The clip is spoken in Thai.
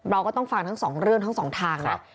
เราก็ต้องฟังทั้งสองเรื่องทั้งสองทางนะ